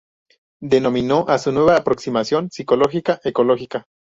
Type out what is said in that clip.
Denominó a su nueva aproximación "psicología ecológica.